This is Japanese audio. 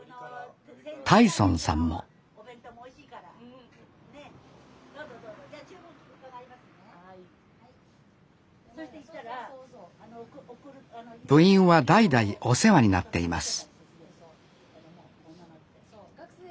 太尊さんも部員は代々お世話になっています